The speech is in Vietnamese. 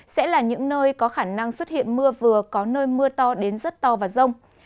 sẽ là những nơi có khả năng xuất hiện mưa vừa có nơi mưa to đến rất to và rông